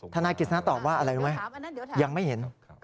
ทนายกฤษณะตอบว่าอะไรรู้ไหมยังไม่เห็น